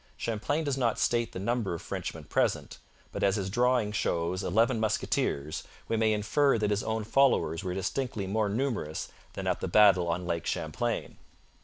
Champlain does not state the number of Frenchmen present, but as his drawing shows eleven musketeers, we may infer that his own followers were distinctly more numerous than at the battle on Lake Champlain.